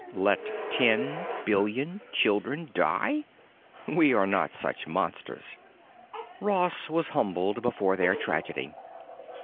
"Let—ten—billion—children—die? We are not such monsters." Ross was humbled before their tragedy.